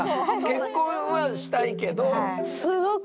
結婚はしたいけど。